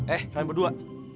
eh kalian berdua